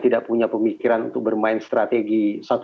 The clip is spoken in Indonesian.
tidak punya pemikiran untuk bermain strategi